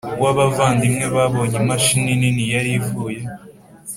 Wa Abavandimwe Babonye Imashini Nini Yari Ivuye